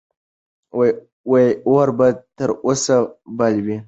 اور به تر اوسه بل وي.